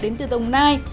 đến từ đồng nai